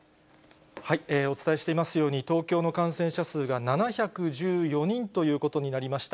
お伝えしていますように、東京の感染者数が７１４人ということになりました。